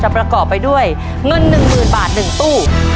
ประกอบไปด้วยเงิน๑๐๐๐บาท๑ตู้